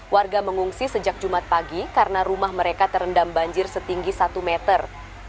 warga mengungsi sejak jumat pagi karena rumah mereka terendam banjir setinggi satu meter